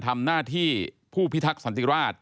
ทำหน้าที่ผู้พิทักษันติราช